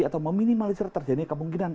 atau meminimalisir terjadinya kemungkinan